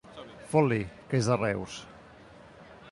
Fot-li, que és de Reus!